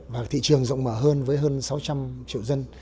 và thị trường rộng mở hơn với hơn sáu trăm linh triệu dân